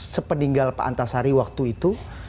sepeninggal pak antasari waktu itu